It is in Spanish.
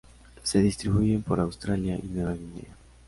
Se distribuyen por Australia y Nueva Guinea.